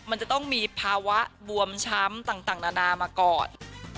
มันจะต้องมีภาวะบวมช้ำต่างนานามาก่อน